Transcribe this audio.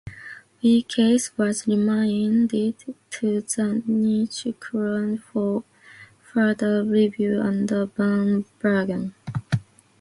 The case was remanded to the Ninth Circuit for further review under "Van Buren".